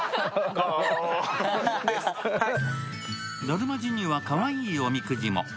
達磨寺にはかわいいおみくじも。